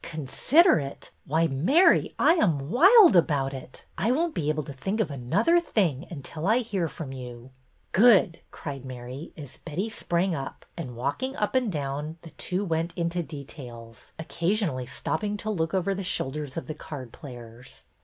Consider it ! Why, Mary, I am wild about it. I won't be able to think of another thing until I hear from you." '' Good !" cried Mary, as Betty sprang up, and, walking up and down, the two went into details, occasionally stopping to look over the shoulders of the card players.